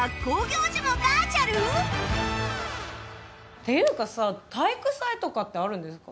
っていうかさ体育祭とかってあるんですか？